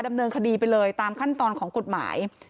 ดำเนินคดีไปเลยตามขั้นตอนของกฎหมาย